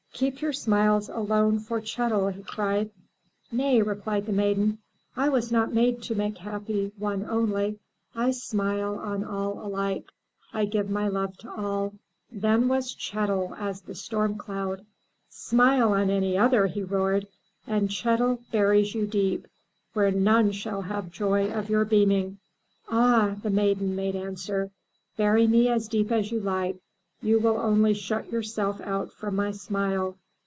"Keep your smiles alone for Chet'l!" he cried. 220 THROUGH FAIRY HALLS "Nay/* replied the maiden, '1 was not made to make happy one only. I smile on all alike. I give my love to all." Then was Chet'l as the storm cloud. ''Smile on any other/' he roared, "and Chet'l buries you deep, where none shall have joy of your beaming!" Ah," the maiden made answer, "bury me as deep as you like. You will only shut yourself out from my smile.